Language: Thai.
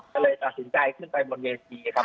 ก็เลยตัดสินใจขึ้นไปบนเวทีครับ